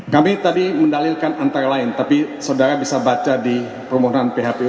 kami tadi mendalilkan antara lain tapi saudara bisa baca di permohonan phpu